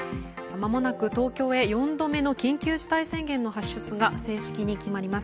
まもなく東京へ４度目の緊急事態宣言の発出が正式に決まります。